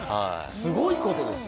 すごいことですよ。